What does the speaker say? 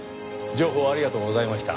情報ありがとうございました。